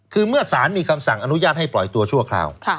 คือเมื่อสารมีคำสั่งอนุญาตให้ปล่อยตัวชั่วคราว